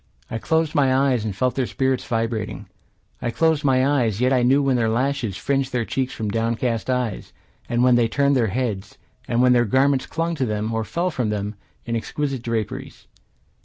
I closed my eyes and felt their spirits vibrating. I closed my eyes, yet I knew when their lashes Fringed their cheeks from downcast eyes, And when they turned their heads; And when their garments clung to them, Or fell from them, in exquisite draperies.